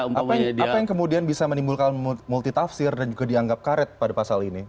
apa yang kemudian bisa menimbulkan multitafsir dan juga dianggap karet pada pasal ini